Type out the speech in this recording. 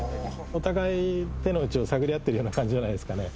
お互い手の内を探り合ってるような感じじゃないですかね